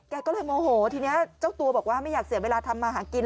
แกก็เลยโมโหทีนี้เจ้าตัวบอกว่าไม่อยากเสียเวลาทำมาหากิน